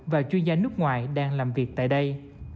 và chuyên gia nước ngoài đang làm việc tại đây